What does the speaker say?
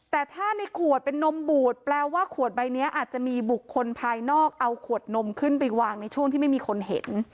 แต่ถ้าในขวดเป็นนมบูดแปลว่าขวดใบนี้อาจจะมีบุคคลภายนอกเอาขวดนมขึ้นไปวางในช่วงที่ไม่มีคนเห็น